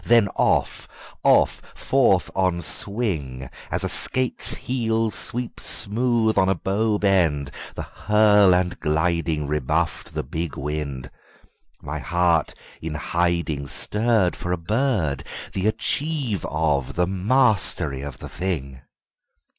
then off, off forth on swing, As a skate's heel sweeps smooth on a bow bend: the hurl and glidingRebuffed the big wind. My heart in hidingStirred for a bird,—the achieve of; the mastery of the thing!